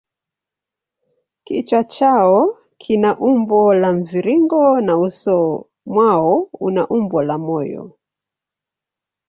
Kichwa chao kina umbo la mviringo na uso mwao una umbo la moyo.